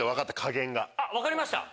分かりました？